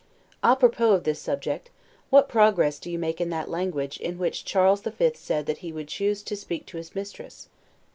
'A propos' of this subject: what progress do you make in that language, in which Charles the Fifth said that he would choose to speak to his mistress?